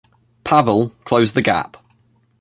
Pavel closed the gap.